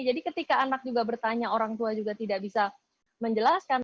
jadi ketika anak juga bertanya orang tua juga tidak bisa menjelaskan